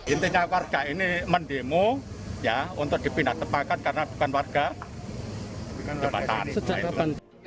intinya warga ini mendemo untuk dipindahkan karena bukan warga kecamatan